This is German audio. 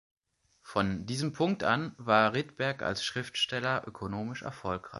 Von diesem Punkt an war Rydberg als Schriftsteller ökonomisch erfolgreich.